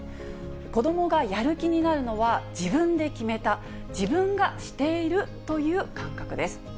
子どもがやる気になるのは自分で決めた、自分がしているという感覚です。